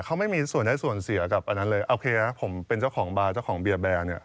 เขาไม่มีส่วนได้ส่วนเสียกับอันนั้นเลยโอเคนะผมเป็นเจ้าของบาร์เจ้าของเบียร์แบร์เนี่ย